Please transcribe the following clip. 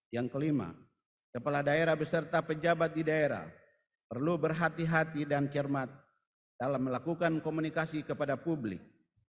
yang kelima kepala daerah beserta pejabat di daerah perlu berhati hati dan cermat dalam melakukan komunikasi kepada publik